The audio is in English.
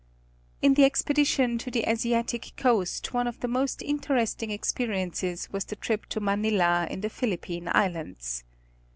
In the expedition to the Asiatic coast one of the most interesting experiences was the trip to Manila in the Philippine Islands.